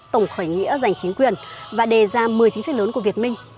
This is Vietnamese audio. tổng khởi nghĩa giành chính quyền và đề ra một mươi chính sách lớn của việt minh